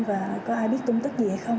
và có ai biết công tức gì hay không